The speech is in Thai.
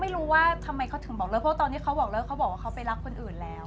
ไม่รู้ว่าทำไมเขาถึงบอกเลิกเพราะตอนที่เขาบอกเลิกเขาบอกว่าเขาไปรักคนอื่นแล้ว